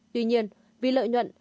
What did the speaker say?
tuy nhiên vì lợi nhuận